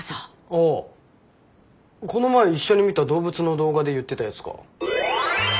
ああこの前一緒に見た動物の動画で言ってたやつか。